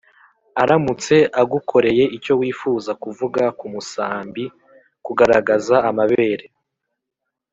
aramutse agukoreye icyo wifuza kuvuga k’umusambi; kugaragaza amabere